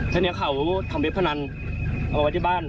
ทีนี้เขาทำเว็บพนันเอาไว้ที่บ้าน